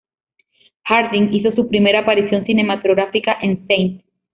Harding hizo su primer aparición cinematográfica en St.